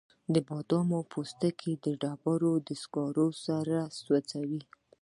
د بادامو پوستکي د ډبرو سکرو سره سوځي؟